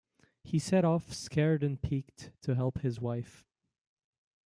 He set off, scared and peaked, to help his wife.